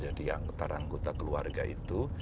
saya bisa jadi antara anggota keluarga itu